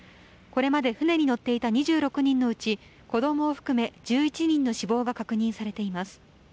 これまで船に乗っていた２６人のうち子供を含め１１人の死亡が確認されています。